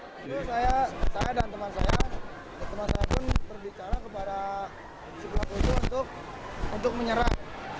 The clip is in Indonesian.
saya dan teman saya teman saya pun berbicara kepada pelaku itu untuk menyerah